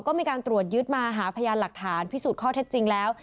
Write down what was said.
ก็มีการตรวจยึดมาหาพยานหลักฐานพิสูจน์ข้อเท็จจริงแล้ว